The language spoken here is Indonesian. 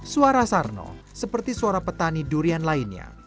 suara sarno seperti suara petani durian lainnya